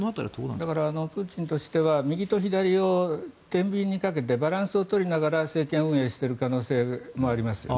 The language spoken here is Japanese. だから、プーチンとしては右と左をてんびんにかけてバランスを取りながら政権運営をしている可能性もありますね。